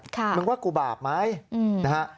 มึงว่ากูบาปไหมนะฮะ